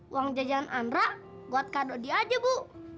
uang jajan andra buat kak dodi aja bu